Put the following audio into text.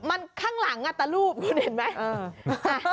มันข้างหลังแต่รูปคุณเห็นไหม